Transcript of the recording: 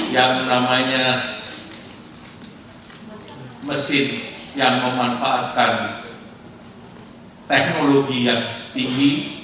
yang namanya mesin yang memanfaatkan teknologi yang tinggi